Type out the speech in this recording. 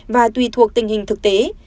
và tùy thuộc tình hình thực tế